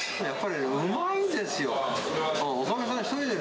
やっぱりうまいですよ。